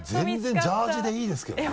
全然ジャージでいいですけどね。